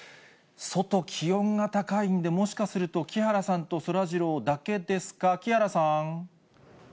外、気温が高いんで、もしかすると木原さんとそらジローだけですか、木原さん。